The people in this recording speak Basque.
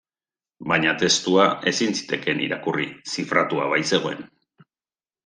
Baina testua ezin zitekeen irakurri, zifratua baitzegoen.